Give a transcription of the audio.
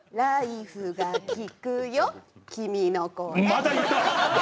また言った！